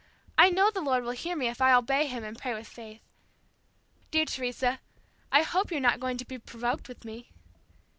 I know the Lord will hear me, if I obey Him and pray with faith. Dear Teresa, I hope you're not going to be provoked with me."